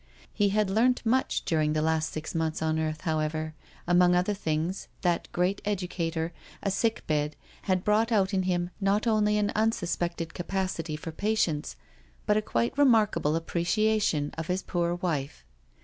He had learnt much during the last six months on earth, however; among other things, that great educator, a sick bed, had brought out in him not only an unsuspected capacity for patience, but a quite remarkable appreciation of his poor wife.